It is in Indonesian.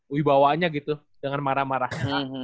wibawanya gitu dengan marah marahnya